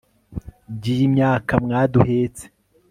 by'iyi myaka mwaduhetse